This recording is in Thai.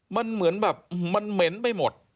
มันเหมือนแบบมันเหม็นไปหมด